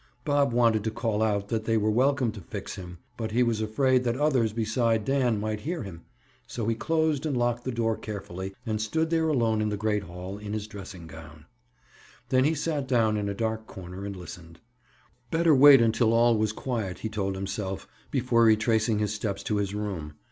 Bob wanted to call out that they were welcome to "fix" him, but he was afraid that others beside Dan might hear him, so he closed and locked the door carefully and stood there alone in the great hall, in his dressing gown. Then he sat down in a dark corner and listened. Better wait until all was quiet, he told himself, before retracing his steps to his room.